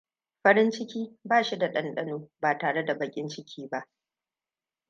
Farin ciki bashi da dandano ba tare da bakin ciki ba.